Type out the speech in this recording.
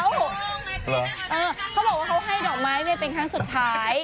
เขาบอกว่าเขาให้ดอกไม้เป็นครั้งสุดท้าย